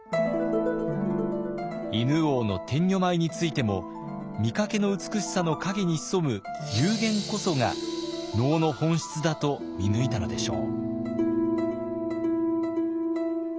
犬王の天女舞についても見かけの美しさの陰に潜む幽玄こそが能の本質だと見抜いたのでしょう。